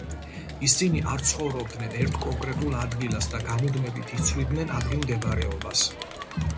ისინი არ ცხოვრობდნენ ერთ კონკრეტულ ადგილას და გამუდმებით იცვლიდნენ ადგილმდებარეობას.